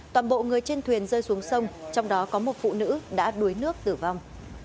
toàn bộ người trên thuyền rơi xuống sông trong đó có một phụ nữ đã đuối nước tử vong